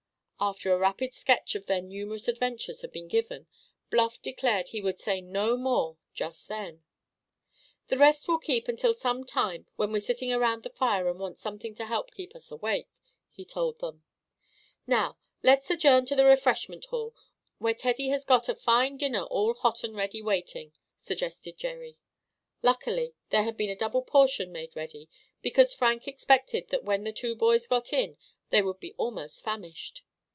After a rapid sketch of their numerous adventures had been given, Bluff declared he would say no more just then. "The rest will keep until some time when we're sitting around the fire and want something to help keep us awake," he told them. "Now let's adjourn to the refreshment hall, where Teddy here has got a fine dinner all hot and ready waiting," suggested Jerry. Luckily there had been a double portion made ready, because Frank expected that when the two boys got in they would be almost famished.